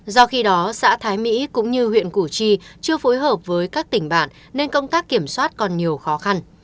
do khi đó xã thái mỹ cũng như huyện cử tri chưa phối hợp với các tỉnh bản nên công tác kiểm soát còn nhiều khó khăn